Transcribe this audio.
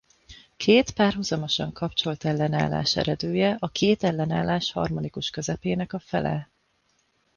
Két párhuzamosan kapcsolt ellenállás eredője a két ellenállás harmonikus közepének a fele.